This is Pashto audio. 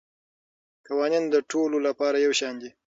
قوانین د ټولو لپاره یو شان دي.